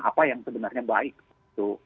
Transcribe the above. apa yang sebenarnya baik itu